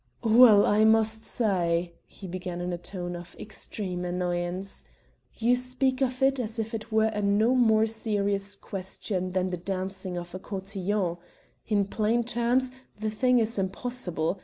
"Well, I must say!" he began in a tone of extreme annoyance, "you speak of it as if it were a no more serious question than the dancing of a cotillon. In plain terms the thing is impossible.